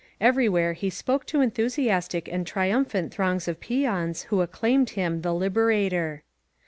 Everywhere he spoke to enthusiastic and triinnphant throngs of peons, who acclaimed him The Liberator.